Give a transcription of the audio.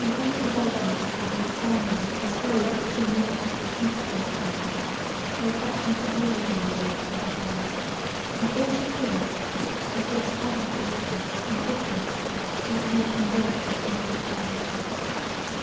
And when the development of her understanding disclosed the true nature of this intercourse to her, her affections were already engaged to her friend, and all she feared was lest other attractions and fickleness might make him break his infant vows.